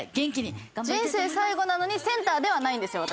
「人生最後なのにセンターではないんですよ